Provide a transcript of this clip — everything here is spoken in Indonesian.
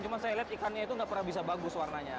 cuma saya lihat ikannya itu nggak pernah bisa bagus warnanya